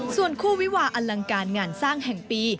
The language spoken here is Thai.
ส่วนคู่วิวาอลังการงานสร้างแห่งปี